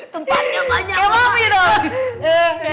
tempatnya banyak banget